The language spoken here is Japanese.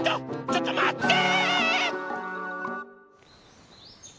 ちょっとまって！